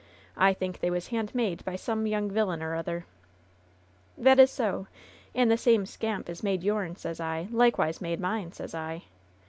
I think they was handmade by some young vilyun or other." ^^That is so. And the same scamp as made youm, sez I, likewise made mine, sez I.